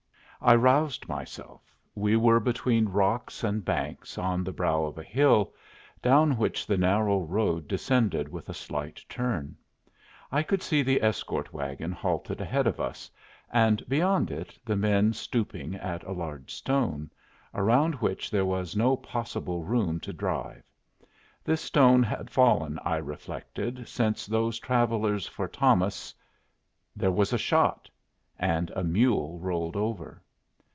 I roused myself. We were between rocks and banks on the brow of a hill, down which the narrow road descended with a slight turn. I could see the escort wagon halted ahead of us, and beyond it the men stooping at a large stone, around which there was no possible room to drive. This stone had fallen, I reflected, since those travellers for Thomas There was a shot, and a mule rolled over.